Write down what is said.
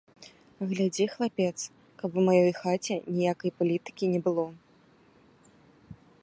Глядзі, хлапец, каб у маёй хаце ніякай палітыкі не было!